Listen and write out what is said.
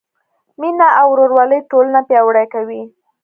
مینه او ورورولي ټولنه پیاوړې کوي.